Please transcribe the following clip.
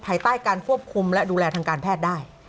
ภายใต้การควบคุมและดูแลทางการแพทย์ได้